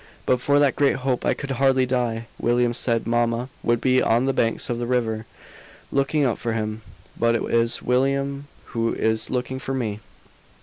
But for that great hope I could hardly die. William said mamma would be on the banks of the river, looking out for him; but it is William who is looking for me."